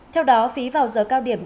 theo đó phí vào giờ cao điểm